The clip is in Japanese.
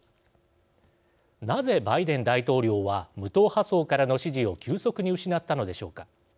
なぜバイデン大統領は無党派層からの支持を急速に失ったのでしょうか。